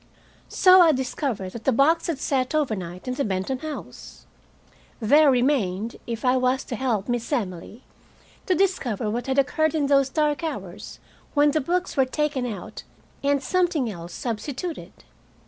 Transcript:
So I discovered that the box had sat overnight in the Benton house. There remained, if I was to help Miss Emily, to discover what had occurred in those dark hours when the books were taken out and something else substituted.